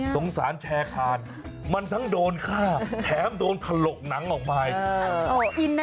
สารแชร์คานมันทั้งโดนฆ่าแถมโดนถลกหนังออกไป